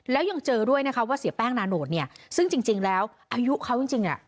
แล้วยังเจอด้วยว่าเสียแป้งนานโหดเนี่ยซึ่งจริงแล้วอายุเขายังจริงเนี่ย